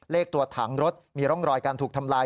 เลขตัวถังรถมีร่องรอยการถูกทำลาย